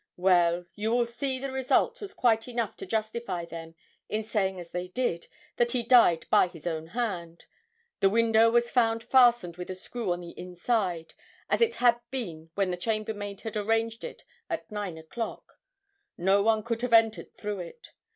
'Well, you will see the result was quite enough to justify them in saying as they did, that he died by his own hand. The window was found fastened with a screw on the inside, as it had been when the chambermaid had arranged it at nine o' clock; no one could have entered through it.